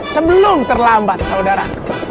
sebelum terlambat saudaraku